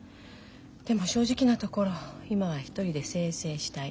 でも正直なところ今は一人で清々したい。